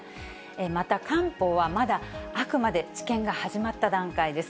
また漢方は、まだあくまで治験が始まった段階です。